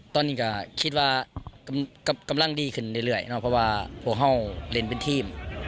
ตอนนี้ก็คิดว่ากำลังดีขึ้นเรื่อยเนาะเพราะว่าหัวเฮาลเล่นเป็นทีม